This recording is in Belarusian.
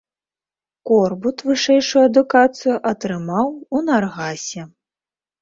Корбут вышэйшую адукацыю атрымаў у наргасе.